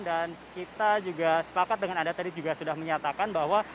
dan kita juga sepakat dengan anda tadi juga sudah menyatakan bahwa